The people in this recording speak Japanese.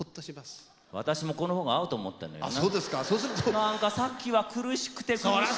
何かさっきは苦しくて苦しくて。